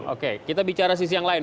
oke kita bicara sisi yang lain